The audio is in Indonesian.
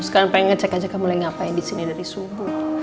sekarang pengen ngecek aja kamu mulai ngapain di sini dari subuh